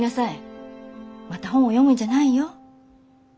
また本を読むんじゃないよ。